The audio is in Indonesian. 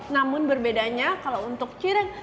namun berbedanya kalau untuk cireng